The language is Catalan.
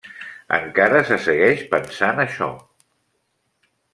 Encara se segueix pensant això.